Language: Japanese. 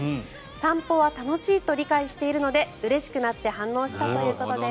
散歩は楽しいと理解しているのでうれしくなって反応したということです。